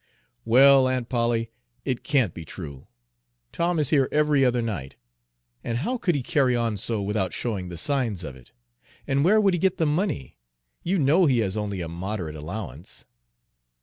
"Well, Aunt Polly, it can't be true. Tom is here every other night, and how could he carry on so without showing the signs of it? and where would he get the money? You know he has only a moderate allowance."